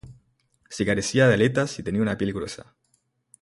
Se carecía de Aletas, y tenía una piel gruesa.